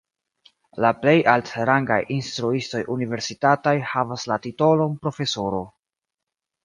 La plej altrangaj instruistoj universitataj havas la titolon profesoro.